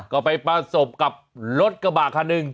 ก็ไปประสบกับรถกระบะคันหนึ่ง